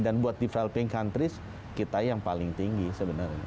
dan buat developing countries kita yang paling tinggi sebenarnya